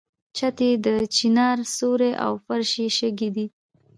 چت یې د چنار سیوری او فرش یې شګې دي.